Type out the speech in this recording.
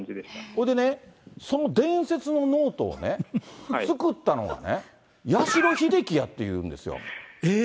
それでね、その伝説のノートをね、作ったのはね、八代英輝やって言うんですよ。